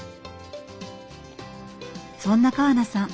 そんな川名さん